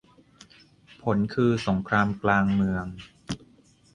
ผลคือสงครามกลางเมือง